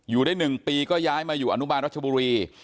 อยู่ได้๑ปีก็ย้ายมาอยู่อนุบาลรัชบุรี